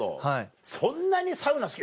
そんなにサウナ好き？